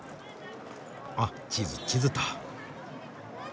あっ地図地図っと。